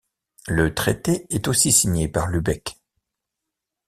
Le traité est aussi signé par Lübeck.